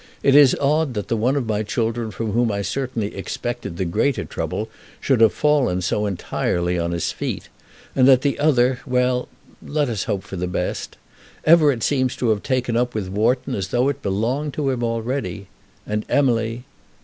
It is odd that the one of my children from whom I certainly expected the greater trouble should have fallen so entirely on his feet; and that the other ; well, let us hope for the best. Everett seems to have taken up with Wharton as though it belonged to him already. And Emily